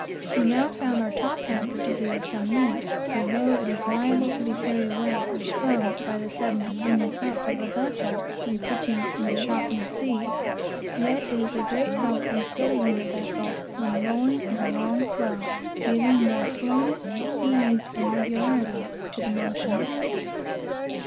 We now found our top hamper of some use, for though it is liable to be carried away or sprung by the sudden "bringing up" of a vessel when pitching in a chopping sea, yet it is a great help in steadying a vessel when rolling in a long swell; giving it more slowness, ease, and regularity to the motion.